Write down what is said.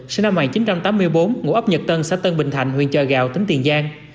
sinh năm một nghìn chín trăm tám mươi bốn ngũ ấp nhật tân xã tân bình thạnh huyện chợ gạo tỉnh tiền giang